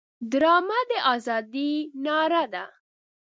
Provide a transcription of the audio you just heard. ډرامه د ازادۍ ناره ده